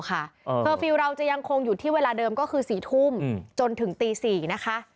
เคอร์ฟิลล์เราจะยังคงอยู่ที่เวลาเดิมก็คือ๔ทุ่มจนถึงตี๔นะคะ